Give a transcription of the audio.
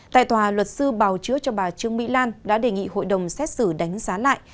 tại tòa luật sư bào chữa cho bà trương mỹ lan đã đề nghị hội đồng xét xử đánh giá lại